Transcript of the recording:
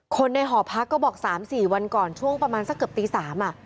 คนในหอพักก็บอกสามสี่วันก่อนช่วงประมาณสักเกือบตีสามอ่ะ